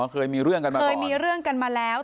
เคยมีเรื่องกันมาเคยมีเรื่องกันมาแล้ว